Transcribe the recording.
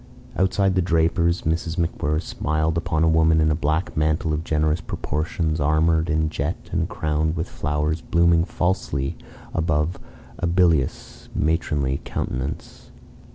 Outside the draper's Mrs. MacWhirr smiled upon a woman in a black mantle of generous proportions armoured in jet and crowned with flowers blooming falsely above a bilious matronly countenance.